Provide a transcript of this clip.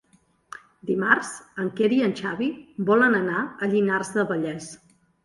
Dimarts en Quer i en Xavi volen anar a Llinars del Vallès.